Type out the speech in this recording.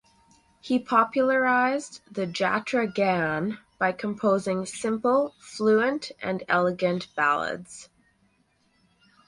He popularized the Jatra Gan by composing simple fluent and elegant ballads.